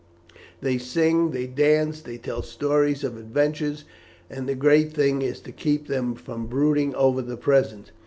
They sing, they dance, they tell stories of adventures, and the great thing is to keep from brooding over the present.